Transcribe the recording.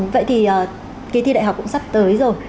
vậy thì kỳ thi đại học cũng sắp tới rồi